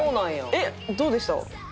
えっどうでした？